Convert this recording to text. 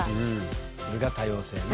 それが多様性ね。